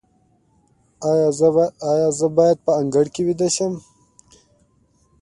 ایا زه باید په انګړ کې ویده شم؟